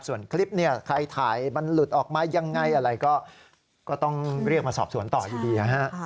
ส่วนคลิปเนี่ยใครถ่ายมันหลุดออกมายังไงอะไรก็ต้องเรียกมาสอบสวนต่ออยู่ดีนะฮะ